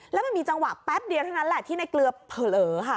แล้วมันมีจังหวะแป๊บเดียวเท่านั้นแหละที่ในเกลือเผลอค่ะ